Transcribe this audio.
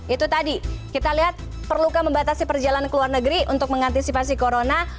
itu tadi kita lihat perlukah membatasi perjalanan ke luar negeri untuk mengantisipasi corona